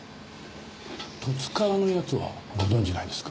「十津川の奴」はご存じないですか？